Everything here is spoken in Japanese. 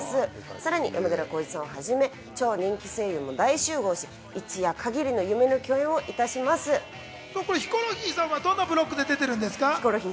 さらに山寺宏一さんをはじめ、超人気声優も大集合し、一夜限りの夢の競演をヒコロヒーさんはどんなブロックで出てますか？